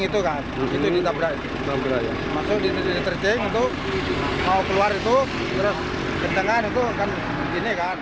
tidak sempat tidak sempat